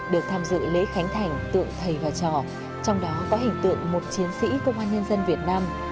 được tham dự lễ khánh thành tượng thầy và trò trong đó có hình tượng một chiến sĩ công an nhân dân việt nam